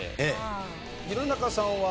弘中さんは？